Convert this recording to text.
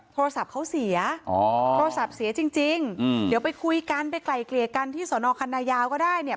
โทรศัพท์เขาเสียโทรศัพท์เสียจริงเดี๋ยวไปคุยกันไปไกลเกลี่ยกันที่สอนอคันนายาวก็ได้เนี่ย